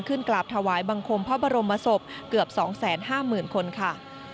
กราบถวายบังคมพระบรมศพเกือบ๒๕๐๐๐คนค่ะ